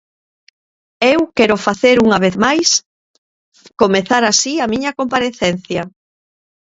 Eu quéroo facer unha vez máis, comezar así a miña comparecencia.